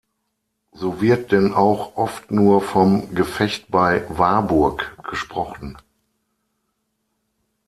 So wird denn auch oft nur vom „Gefecht bei Warburg“ gesprochen.